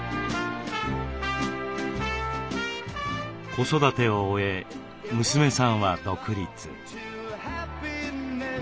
子育てを終え娘さんは独立。